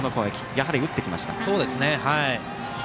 やはり打ってきました。